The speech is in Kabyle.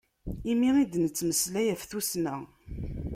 Imi i d-nettmeslay ɣef tussna.